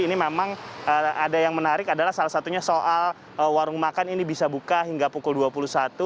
ini memang ada yang menarik adalah salah satunya soal warung makan ini bisa buka hingga pukul dua puluh satu